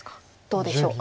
どうでしょう。